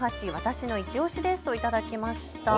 私のいちオシですと頂きました。